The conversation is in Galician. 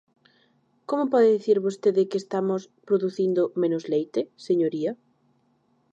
¿Como pode dicir vostede que estamos producindo menos leite, señoría?